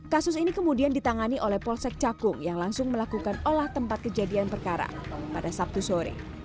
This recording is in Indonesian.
kasus ini kemudian ditangani oleh polsek cakung yang langsung melakukan olah tempat kejadian perkara pada sabtu sore